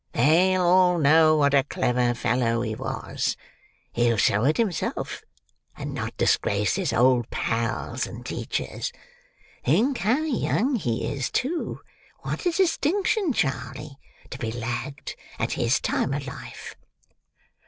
They'll all know what a clever fellow he was; he'll show it himself, and not disgrace his old pals and teachers. Think how young he is too! What a distinction, Charley, to be lagged at his time of life!"